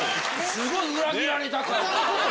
すごい裏切られた感が。